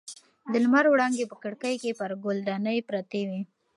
د لمر وړانګې په کړکۍ کې پر ګل دانۍ پرتې وې.